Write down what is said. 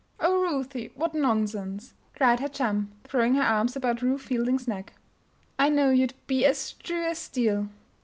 "Oh, Ruthie! what nonsense!" cried her chum, throwing her arms about Ruth Fielding's neck. "I know you'd be as true as steel."